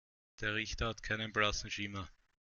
Der Richter hat keinen blassen Schimmer.